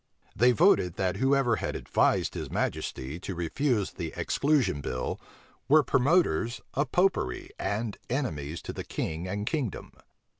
They voted, that whoever had advised his majesty to refuse the exclusion bill, were promoters of Popery and enemies to the king and kingdom.